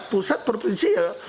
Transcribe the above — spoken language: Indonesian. pusat provinsi ya